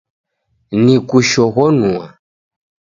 Nikushoghonua!